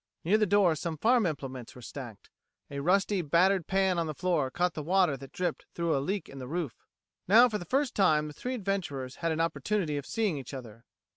Near the door some farm implements were stacked. A rusty, battered pan on the floor caught the water that dripped in through a leak in the roof. Now, for the first time, the three adventurers had an opportunity of seeing each other.